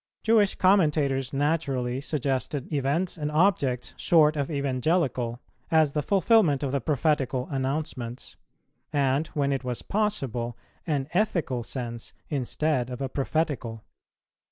Jewish commentators naturally suggested events and objects short of evangelical as the fulfilment of the prophetical announcements, and, when it was possible, an ethical sense instead of a prophetical.